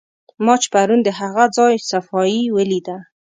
ما چې پرون د هغه ځای صفایي ولیده.